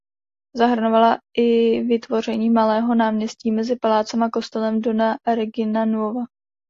Zahrnovala i vytvoření malého náměstí mezi palácem a kostelem "Donna Regina Nuova".